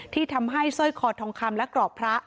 ที่ทำให้ซ่อยคอดทองคำและเกราะพระ